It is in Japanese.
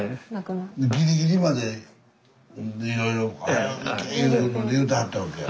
ギリギリまでいろいろ早う行け言うてはったわけや。